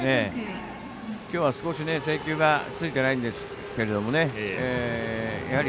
今日は少し制球がついてないんですがやはり、